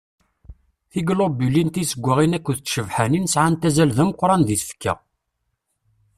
Tiglubulin tizeggaɣin akked tcebḥanin sɛant azal d ameqqran deg tfekka.